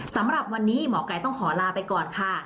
สำหรับวันนี้หมอกัยต้องขอลาไปก่อนค่ะ